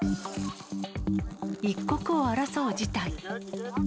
一刻を争う事態。